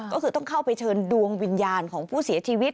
ก็คือต้องเข้าไปเชิญดวงวิญญาณของผู้เสียชีวิต